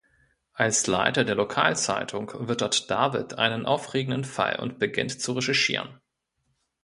Als Leiter der Lokalzeitung wittert David einen aufregenden Fall und beginnt zu recherchieren.